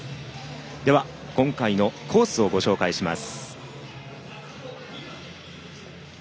では、今回のコースをご紹介します。